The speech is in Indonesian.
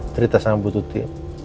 cerita sama bu tuti